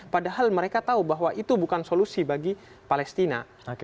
padahal mereka tahu bahwa itu bukan solusi bagi palestina